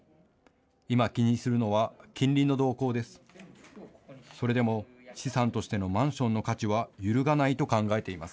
今、気にするのは金利の動向です。